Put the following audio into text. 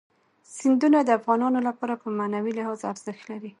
سیندونه د افغانانو لپاره په معنوي لحاظ ارزښت لري.